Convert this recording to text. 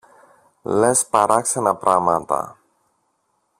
Λες παράξενα πράματα!